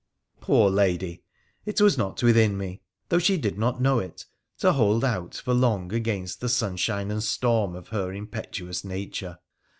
Poor lady! It was not within me— though she did not know it — to hold out for long against the sunshine and storm of her impetuous nature.